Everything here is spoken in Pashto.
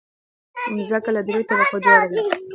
مځکه له دریو طبقو جوړه ده.